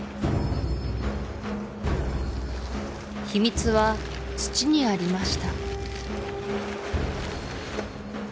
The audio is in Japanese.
秘密は土にありました